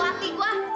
tuh hati gua